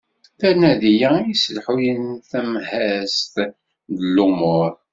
D anadi-a i yesselḥuyen tamhazt n lumuṛ.